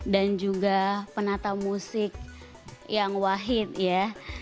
dan juga penata musik yang wahid ya